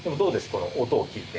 この音を聞いて。